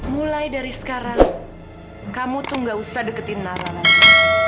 mulai dari sekarang kamu tidak perlu dekatkan nara lagi